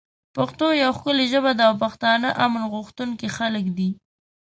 پښتو یوه ښکلی ژبه ده او پښتانه امن غوښتونکی خلک دی